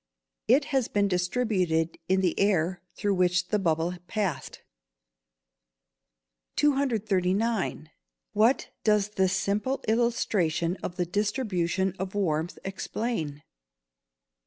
_ It has been distributed in the air through which the bubble passed. 239. _What does this simple illustration of the distribution of warmth explain?